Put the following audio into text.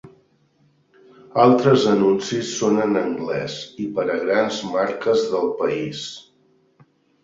Altres anuncis són en anglès i per a grans marques del país.